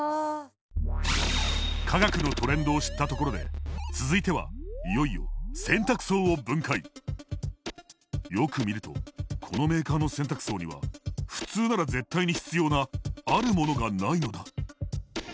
科学のトレンドを知ったところで続いてはいよいよよく見るとこのメーカーの洗濯槽には普通なら絶対に必要なあるモノがないのだ。